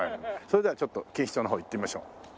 それではちょっと錦糸町の方行ってみましょう。